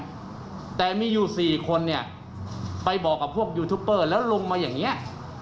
แต่มีอยู่สี่คนเนี่ยไปบอกกับพวกยูทูปเปอร์แล้วลงมาอย่างเงี้ย